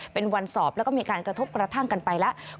เป็นวันสอบแล้วก็มีการกระทบกระทั่งกันไปแล้ว